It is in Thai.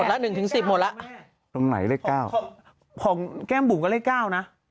ละ๑๑๐หมดแล้วตรงไหนเลข๙ของแก้มบุ๋มก็เลข๙นะ